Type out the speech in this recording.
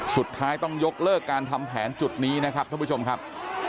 สุดท้ายต้องยกเลิกการทำแผนจุดนี้นะครับท่านผู้ชมครับ